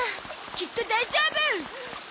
きっと大丈夫！